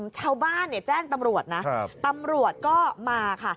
ชาวบ้านแจ้งตำรวจนะตำรวจก็มาค่ะ